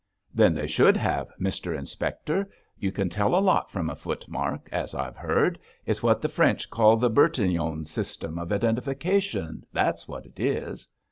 'Then they should have, Mr Inspector; you can tell a lot from a footmark, as I've heard. It's what the French call the Bertillon system of identification, that's what it is.'